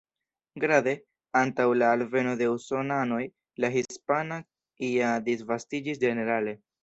Grade, antaŭ la alveno de Usonanoj, la Hispana ja disvastiĝis ĝenerale.